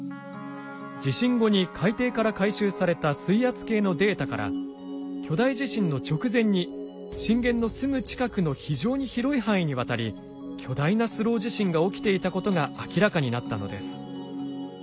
地震後に海底から回収された水圧計のデータから巨大地震の直前に震源のすぐ近くの非常に広い範囲にわたり巨大なスロー地震が起きていたことが明らかになったのです。